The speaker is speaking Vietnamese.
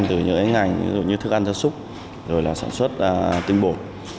từ những ngành như thức ăn ra súc rồi là sản xuất tinh bột